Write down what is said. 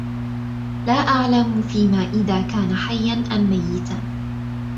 لا أعلم فيما إذا كان حيا أم ميتا.